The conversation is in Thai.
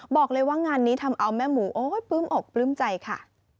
บอกเลยว่างานนี้ทำเอาแม่หมูโอ๊ยปลื้มอกปลื้มใจค่ะ